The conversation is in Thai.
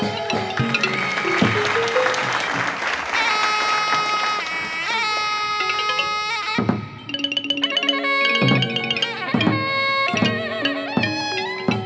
หนี